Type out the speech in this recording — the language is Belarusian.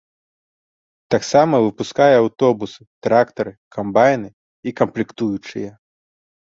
Таксама выпускае аўтобусы, трактары, камбайны і камплектуючыя.